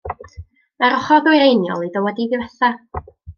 Mae'r ochr ddwyreiniol iddo wedi'i ddifetha.